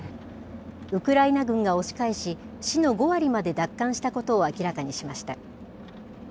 ウクライナ軍が押し返し、市の５割まで奪還したことを明らかにしました。